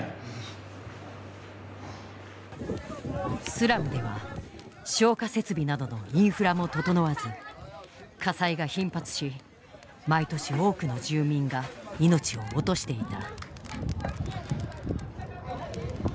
スラムでは消火設備などのインフラも整わず火災が頻発し毎年多くの住民が命を落としていた。